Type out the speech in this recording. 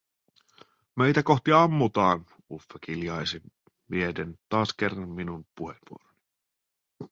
"Meitä kohti ammutaa!", Uffe kiljaisi vieden taas kerran minun puheenvuoroni.